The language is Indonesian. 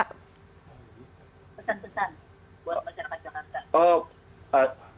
pesan pesan buat masyarakat jakarta